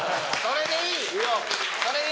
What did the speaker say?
それでいい。